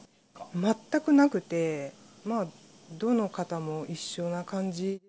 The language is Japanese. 全くなくて、どの方も一緒な感じ。